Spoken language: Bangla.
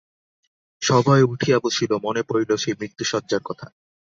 সভয়ে উঠিয়া বসিল, মনে পড়িল সেই মৃত্যুশয্যার কথা।